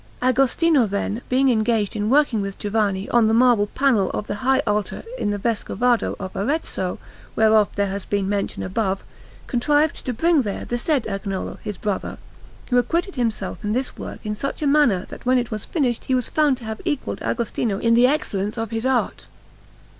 Agostino, then, being engaged in working with Giovanni on the marble panel of the high altar in the Vescovado of Arezzo, whereof there has been mention above, contrived to bring there the said Agnolo, his brother, who acquitted himself in this work in such a manner that when it was finished he was found to have equalled Agostino in the excellence of his art.